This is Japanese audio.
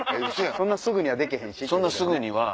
そんなすぐにはできへんってね。